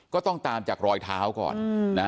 ก็ต้องตามจากรอยเท้าก่อนนะ